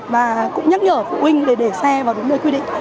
và cũng nhắc nhở phụ huynh để xe vào đúng nơi quy định